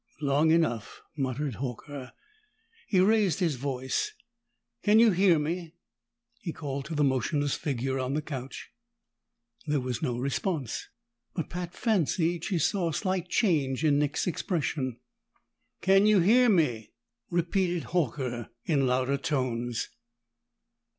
"Long enough," muttered Horker. He raised his voice. "Can you hear me?" he called to the motionless figure on the couch. There was no response, but Pat fancied she saw a slight change in Nick's expression. "Can you hear me?" repeated Horker in louder tones.